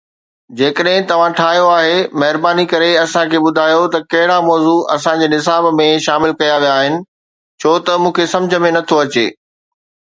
جيڪڏھن توھان ٺاھيو آھي، مھرباني ڪري اسان کي ٻڌايو ته ڪھڙا موضوع اسان جي نصاب ۾ شامل ڪيا ويا آھن ڇو ته مون کي سمجھ ۾ نٿو اچي؟